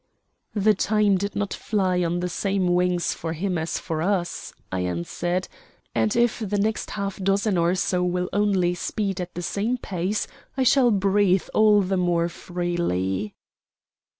"The time did not fly on the same wings for him as for us," I answered; "and if the next half dozen or so will only speed at the same pace, I shall breathe all the more freely."